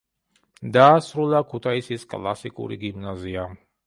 დაასრულა ქუთაისის კლასიკური გიმნაზია.